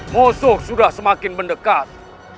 musuh sudah semakin mendekat